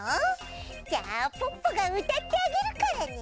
じゃあポッポがうたってあげるからね。